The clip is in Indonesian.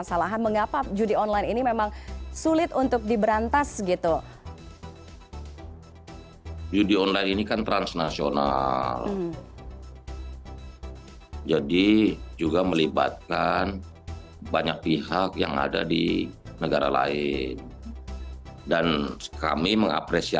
selamat sore pak menteri